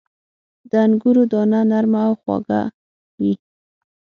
• د انګورو دانه نرمه او خواږه وي.